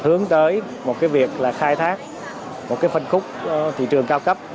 hướng tới một cái việc là khai thác một cái phân khúc thị trường cao cấp